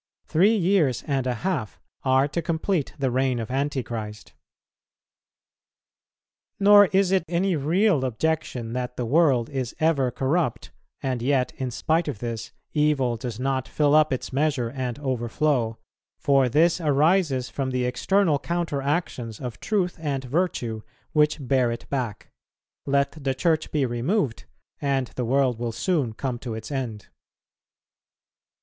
Three years and a half are to complete the reign of Antichrist. Nor is it any real objection that the world is ever corrupt, and yet, in spite of this, evil does not fill up its measure and overflow; for this arises from the external counteractions of truth and virtue, which bear it back; let the Church be removed, and the world will soon come to its end.